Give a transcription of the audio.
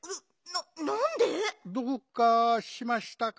どうかしましたか？